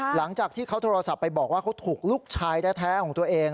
หลังจากที่เขาโทรศัพท์ไปบอกว่าเขาถูกลูกชายแท้ของตัวเอง